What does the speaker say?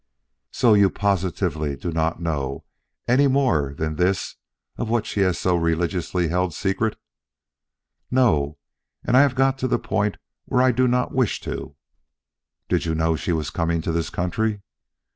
"So you positively do not know any more than this of what she has so religiously held secret?" "No; and I have got to the point where I do not wish to." "Did you know she was coming to this country?"